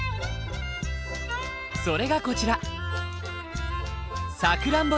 それがこちら。